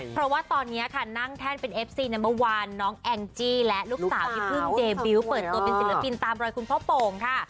เพราะว่าตอนนี้ค่ะนั่งแท่นเป็นเอฟซีในเมื่อวานน้องแองจี้และลูกสาวพี่พึ่งเจบิวต์เปิดตัวเป็นศิลปินตามรอยคุณพ่อโป่งค่ะ